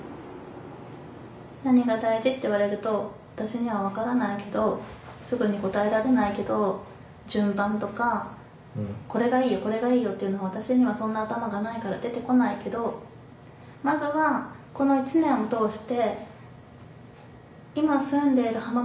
何が大事って言われると私には分からないけどすぐに答えられないけど順番とかこれがいいよっていうのは私にはそんな頭がないから出て来ないけどまずはこの１年を通して。と思ってるのね。